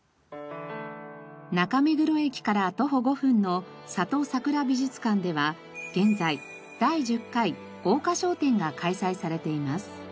中目黒駅から徒歩５分の郷さくら美術館では現在「第１０回桜花賞展」が開催されています。